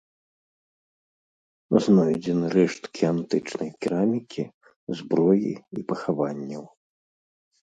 Знойдзены рэшткі антычнай керамікі, зброі і пахаванняў.